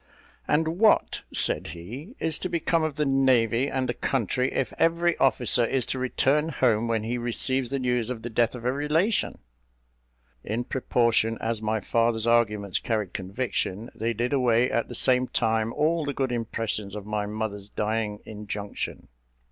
"And what," said he, "is to become of the navy and the country, if every officer is to return home when he receives the news of the death of a relation?" In proportion as my father's arguments carried conviction, they did away, at the same time, all the good impressions of my mother's dying injunction.